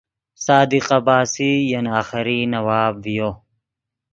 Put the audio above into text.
صادق عباسی ین آخری نواب ڤیو